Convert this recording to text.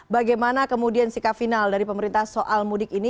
bagaimana kemudian sikap final dari pemerintah soal mudik ini